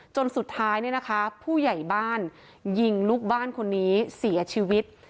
จนสุดท้ายเนี่ยนะคะผู้ใหญ่บ้านยิงลูกบ้านคนนี้เสียชีวิต